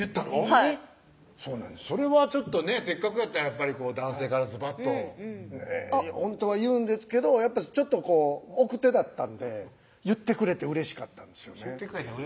はいそれはちょっとねせっかくやったらやっぱり男性からズバッとほんとは言うんですけどちょっとこう奥手だったんで言ってくれてうれしかったんですよね